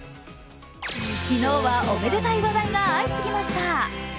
昨日はおめでたい話題が相次ぎました。